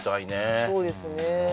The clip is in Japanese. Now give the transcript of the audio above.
うんそうですね